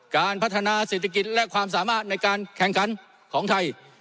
การพัฒนาเศรษฐกิจและความสามารถในการแข่งขันของไทย